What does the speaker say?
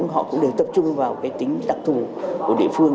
họ cũng đều tập trung vào cái tính đặc thù của địa phương